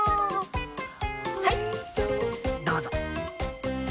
はいどうぞ。